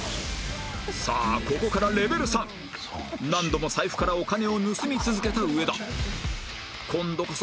さあここからレベル３何度も財布からお金を盗み続けた上田